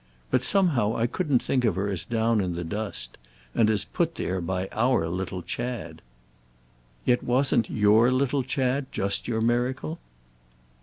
But somehow I couldn't think of her as down in the dust. And as put there by our little Chad!" "Yet wasn't 'your' little Chad just your miracle?"